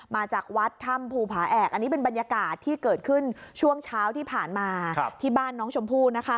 มาจากวัดถ้ำภูผาแอกอันนี้เป็นบรรยากาศที่เกิดขึ้นช่วงเช้าที่ผ่านมาที่บ้านน้องชมพู่